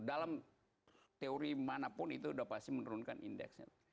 dalam teori manapun itu sudah pasti menurunkan indeksnya